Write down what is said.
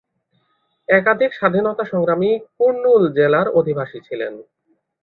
একাধিক স্বাধীনতা সংগ্রামী কুর্নুল জেলার অধিবাসী ছিলেন।